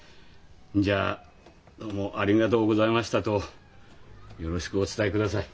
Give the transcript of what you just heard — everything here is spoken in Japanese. じゃあ「どうもありがとうございました」とよろしくお伝えください。